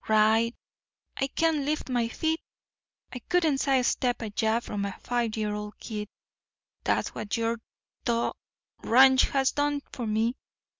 Ride! I can't lift my feet. I couldn't sidestep a jab from a five year old kid. That's what your d—d ranch has done for me.